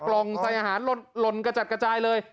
กล่องใส่อาหารหล่นกระจัดกระจายเลย